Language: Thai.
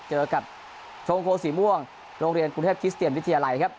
เจอกับชงโคสีม่วงโรงเรียนกรุงเทพคิสเตียนวิทยาลัยครับ